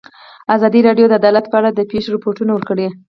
ازادي راډیو د عدالت په اړه د پېښو رپوټونه ورکړي.